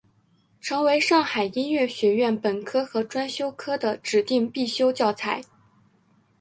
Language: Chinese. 成为上海音乐学院本科和专修科的指定必修教材。